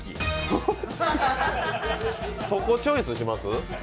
そこチョイスします？